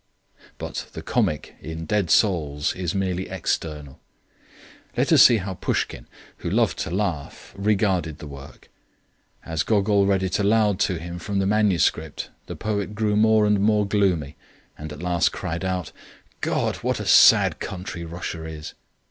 But the comic in Dead Souls is merely external. Let us see how Pushkin, who loved to laugh, regarded the work. As Gogol read it aloud to him from the manuscript the poet grew more and more gloomy and at last cried out: "God! What a sad country Russia is!"